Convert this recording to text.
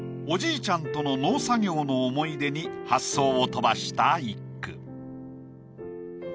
おじいちゃんとの農作業の思い出に発想を飛ばした一句。